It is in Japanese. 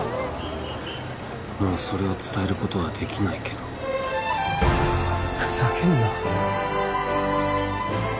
もうそれを伝えることはできないけどふざけんな